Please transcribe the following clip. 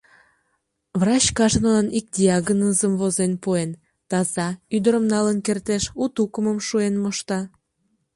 — Врач кажнылан ик диагнозым возен пуэн: таза, ӱдырым налын кертеш, у тукымым шуен мошта.